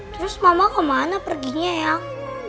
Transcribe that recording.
terus mama kemana perginya yang